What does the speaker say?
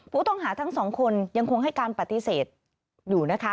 ผู้ต้องหาทั้งสองคนยังคงให้การปฏิเสธอยู่นะคะ